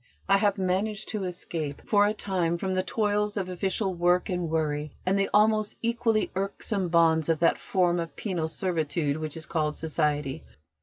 I have managed to escape for a time from the toils of official work and worry, and the almost equally irksome bonds of that form of penal servitude which is called Society.